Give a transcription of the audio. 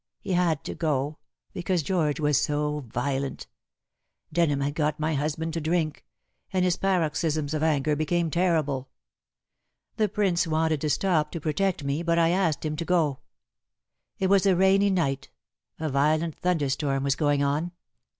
He had to go, because George was so violent. Denham had got my husband to drink, and his paroxysms of anger became terrible. The Prince wanted to stop to protect me, but I asked him to go. It was a rainy night, a violent thunderstorm was going on.